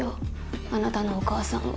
あなたのお母さんは。